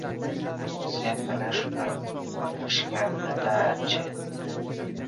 - Sen bilan shunday qilishganidachi?